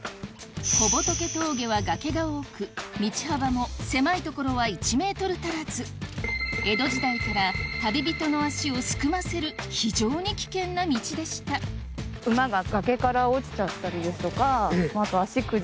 小仏峠は崖が多く道幅も狭い所は１ｍ足らず江戸時代から旅人の足をすくませる非常に危険な道でした馬が。